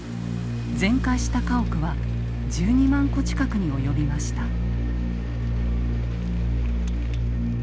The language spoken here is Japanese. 全壊した家屋は１２万戸近くに及びました。